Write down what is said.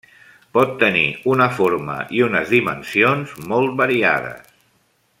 Pot tenir una forma i unes dimensions molt variades.